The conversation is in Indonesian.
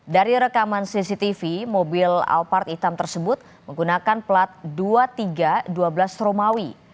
dari rekaman cctv mobil alphard hitam tersebut menggunakan plat dua tiga dua belas romawi